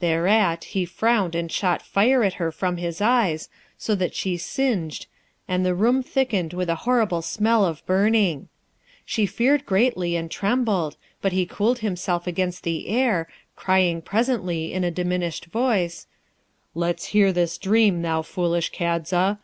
Thereat, he frowned and shot fire at her from his eyes, so that she singed, and the room thickened with a horrible smell of burning. She feared greatly and trembled, but he cooled himself against the air, crying presently in a diminished voice, 'Let's hear this dream, thou foolish Kadza!